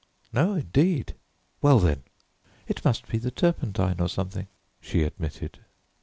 "No, indeed!" "Well, then!" "It must be the turpentine, or something," she admitted.